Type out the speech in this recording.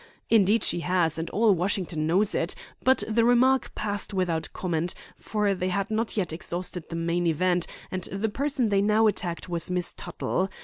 Indeed she has, and all Washington knows it, but the remark passed without comment, for they had not yet exhausted the main event, and the person they now attacked was Miss Tuttle.